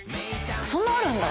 そんなあるんだ。